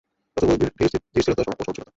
রাসূল বললেন, ধীরস্থিরতা ও সহনশীলতা।